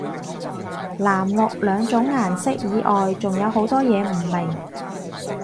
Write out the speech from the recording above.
藍綠兩種顏色以外仲有好多嘢唔明